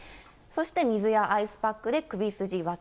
そして水やアイスパックで首筋、脇、